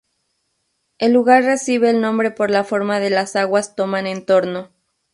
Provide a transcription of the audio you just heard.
El lugar recibe el nombre por la forma de las aguas toman en torno.